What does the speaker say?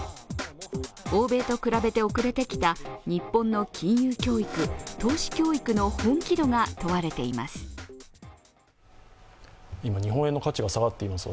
欧米と比べて遅れてきた日本の金融教育・投資教育の本気度が問われています。